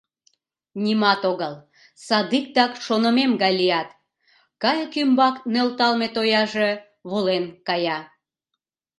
— Нимат огыл, садиктак шонымем гай лият, — кайык ӱмбак нӧлталме тояже волен кая.